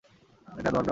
এটা তোমার প্রাপ্য নয়।